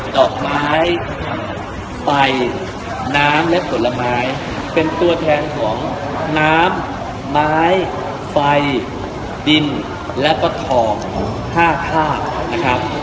ดอกไม้ไฟน้ำและผลไม้เป็นตัวแทนของน้ำไม้ไฟดินแล้วก็ทอง๕คราบนะครับ